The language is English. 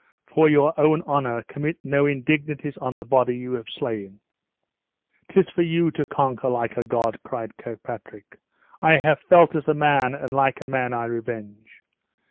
For your own honor commit no indignities on the body you have slain." "'Tis for you to conquer like a god!" cried Kirkpatrick; "I have felt as a man, and like a man I revenge.